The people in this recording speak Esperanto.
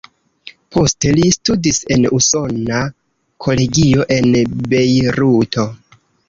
Poste li studis en Usona Kolegio en Bejruto.